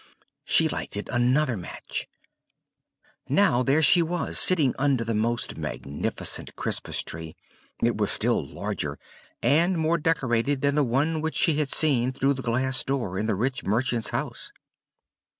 She lighted another match. Now there she was sitting under the most magnificent Christmas tree: it was still larger, and more decorated than the one which she had seen through the glass door in the rich merchant's house.